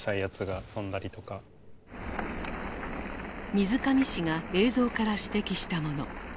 水上氏が映像から指摘したもの。